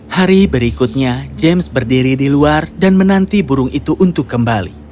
hari berikutnya james berdiri di luar dan menanti burung itu untuk kembali